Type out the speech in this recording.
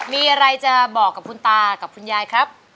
มีอะไรจะบอกกับคุณตากับคุณยายครับ